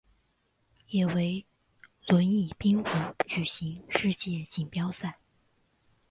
也为轮椅冰壶举行世界锦标赛。